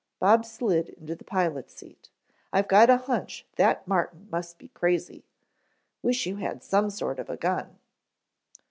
Bob slid into the pilot's seat. "I've got a hunch that Martin must be crazy. Wish you had some sort of gun."